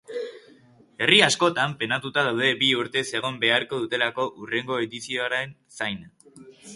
Herri askotan penatuta daude bi urtez egon beharko dutelako hurrengo edizioaren zain.